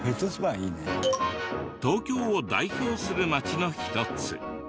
東京を代表する街の一つ